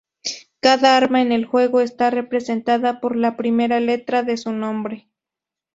Cada arma en el juego está representada por la primera letra de su nombre.